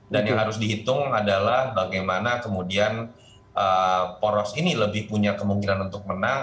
dan yang harus dihitung adalah bagaimana kemudian poros ini lebih punya kemungkinan untuk menang